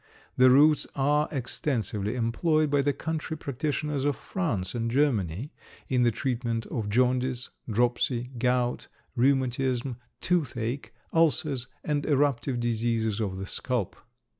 The roots are extensively employed by the country practitioners of France and Germany in the treatment of jaundice, dropsy, gout, rheumatism, toothache, ulcers, and eruptive diseases of the scalp.